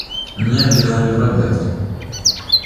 Minha vida é um livro aberto